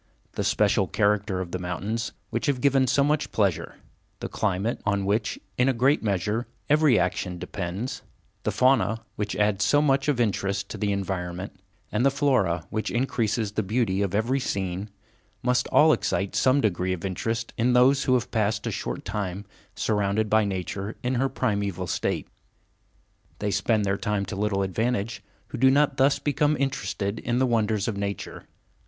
The special character of the mountains, which have given so much pleasure; the climate, on which, in a great measure, every action depends; the fauna, which adds so much of interest to the environment; and the flora, which increases the beauty of every scene—must all excite some degree of interest in those who have passed a short period of time surrounded by nature in her primeval state. They spend their time to little advantage who do not thus become interested in the wonders of nature.